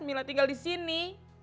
mila tinggal di sini